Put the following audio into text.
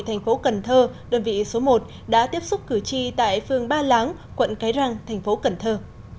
thành phố cần thơ đơn vị số một đã tiếp xúc cử tri tại phường ba láng quận cái răng thành phố cần thơ